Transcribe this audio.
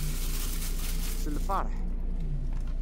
S lfeṛḥ.